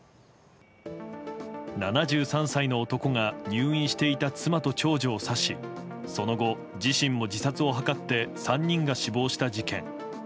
７３歳の男が入院していた妻と長女を刺しその後、自身も自殺を図って３人が死亡した事件。